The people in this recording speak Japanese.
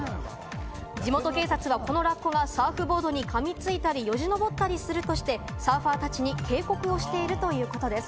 地元警察はこのラッコがサーフボードに噛み付いたり、よじのぼったりするとして、サーファーたちに警告をしているということです。